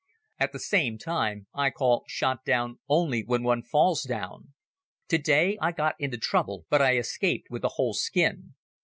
At the same time, I call shot down only when one falls down. To day I got into trouble but I escaped with a whole skin.